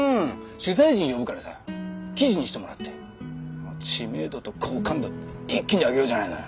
取材陣呼ぶからさ記事にしてもらって知名度と好感度一気に上げようじゃないのよ。